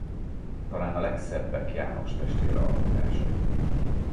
Talán a legszebbek János testvér alkotásai.